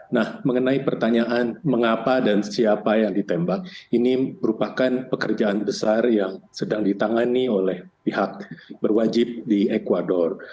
nah mengenai pertanyaan mengapa dan siapa yang ditembak ini merupakan pekerjaan besar yang sedang ditangani oleh pihak berwajib di ecuador